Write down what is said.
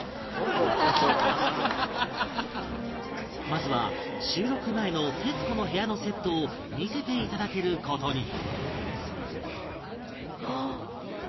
まずは収録前の『徹子の部屋』のセットを見せていただける事に